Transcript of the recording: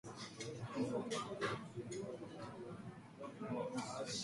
问君能有几多愁？恰似一江春水向东流